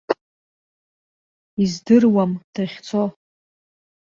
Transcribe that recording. Издыруам дахьцо.